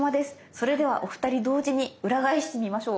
それではお二人同時に裏返してみましょう。